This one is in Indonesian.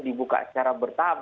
dibuka secara bertahap